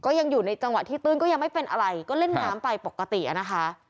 ยังอยู่ในจังหวะที่ตื้นก็ยังไม่เป็นอะไรก็เล่นน้ำไปปกติอะนะคะ